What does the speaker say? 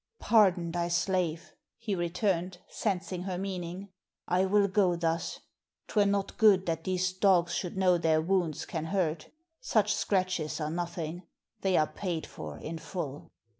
"Pardon thy slave," he returned, sensing her meaning. "I will go thus. 'Twere not good that these dogs should know their wounds can hurt. Such scratches are nothing. They are paid for in full."